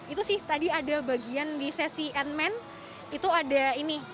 itu sih tadi ada bagian di sesi edman itu ada ini